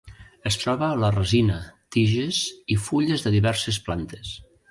Es troba a la resina, tiges i fulles de diverses plantes.